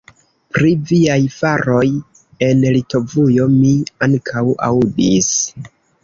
Pri viaj faroj en Litovujo mi ankaŭ aŭdis!